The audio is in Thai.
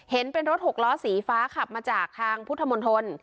เห็นเป็นรถหกล้อสีฟ้าขับมาจากทางพุทธมนตร